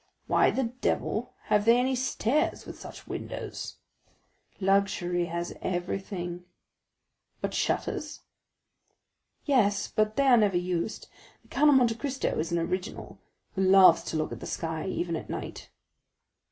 "Why the devil have they any stairs with such windows?" "Luxury has everything." "But shutters?" "Yes, but they are never used. That Count of Monte Cristo is an original, who loves to look at the sky even at night."